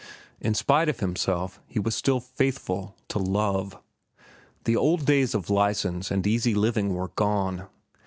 In spite of himself he was still faithful to Love. The old days of license and easy living were gone.